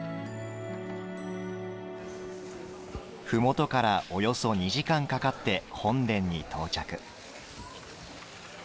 ふもとからおよそ２時間かかって本殿に到着。